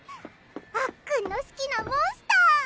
あっくんの好きなモンスター！